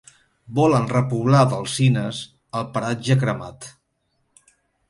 Volen repoblar d'alzines el paratge cremat.